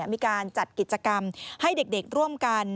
มีการจัดกิจกรรมให้เด็กร่วมกัน